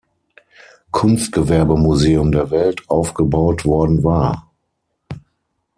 Kunstgewerbemuseum der Welt aufgebaut worden war.